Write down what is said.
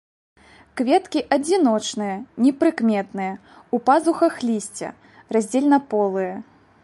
Кветкі адзіночныя, непрыкметныя, у пазухах лісця, раздзельнаполыя.